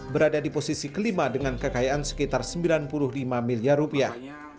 berada di posisi kelima dengan kekayaan sekitar sembilan puluh lima miliar rupiah